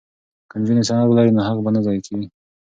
که نجونې سند ولري نو حق به نه ضایع کیږي.